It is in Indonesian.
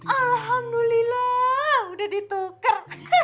alhamdulillah udah dituker